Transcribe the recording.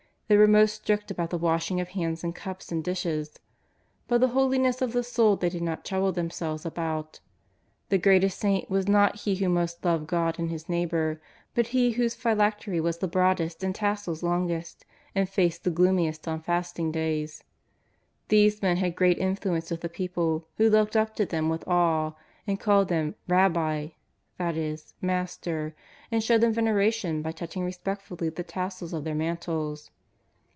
They were most strict about the washing of hands, and cups, and dishes. But the holiness of the soul they did not trouble themselves about. The greatest saint was not he who most loved God and his neighbour, but he whose phy lactery was the broadest and tassels longest, and face the gloomiest on fasting days. These men had great in fluence with the people, who looked up to them with awe, called them " Eabbi ;" that is " Master," and showed their veneration by touching respectfully the tassels of their mantles.